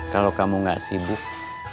kalau kamu gak sibuk